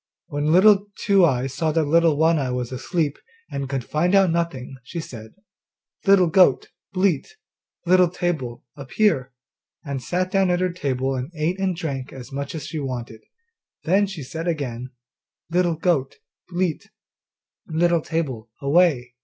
When Little Two eyes saw that Little One eye was asleep and could find out nothing, she said, 'Little goat, bleat, Little table, appear,' and sat down at her table and ate and drank as much as she wanted. Then she said again, 'Little goat, bleat, Little table, away.